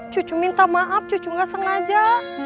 cucu minta maaf cucu nggak sengaja